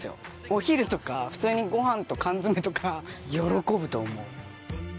お昼とか普通にご飯と缶詰とか喜ぶと思う。